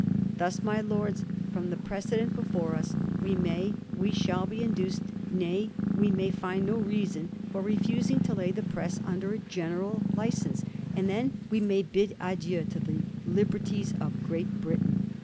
Thus, my Lords, from the precedent before us, we may, we shall be induced, nay, we can find no reason for refusing to lay the press under a general license, and then we may bid adieu to the liberties of Great Britain."